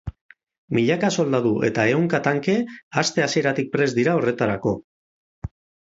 Milaka soldadu eta ehunka tanke aste hasieratik prest dira horretarako.